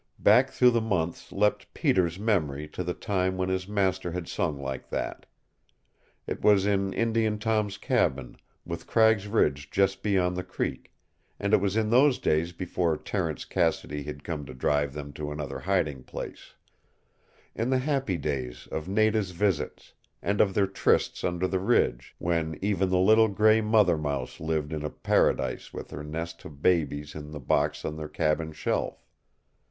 Back through the months leapt Peter's memory to the time when his master had sung like that. It was in Indian Tom's cabin, with Cragg's Ridge just beyond the creek, and it was in those days before Terence Cassidy had come to drive them to another hiding place; in the happy days of Nada's visits and of their trysts under the Ridge, when even the little gray mother mouse lived in a paradise with her nest of babies in the box on their cabin shelf.